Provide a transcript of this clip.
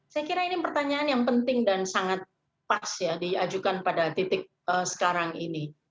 saya kira ini pertanyaan yang penting dan sangat pas ya diajukan pada titik sekarang ini